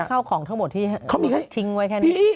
เข้าของทั้งหมดที่ทิ้งไว้แค่นี้